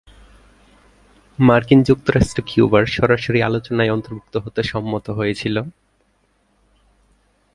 মার্কিন যুক্তরাষ্ট্র কিউবার সরাসরি আলোচনায় অন্তর্ভুক্ত হতে সম্মত হয়েছিল।